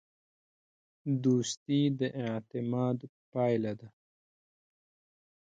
دوستي د اعتماد پایله ده.